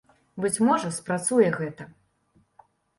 Быць можа, спрацуе гэта.